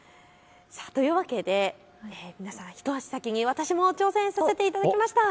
というわけで皆さん、一足先に私も挑戦させていただきました。